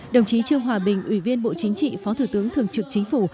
đồng chí trương hòa bình ủy viên bộ chính trị phó thủ tướng thường trực chính phủ